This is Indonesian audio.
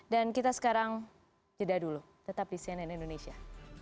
dan kita sekarang jeda dulu tetap di cnn indonesia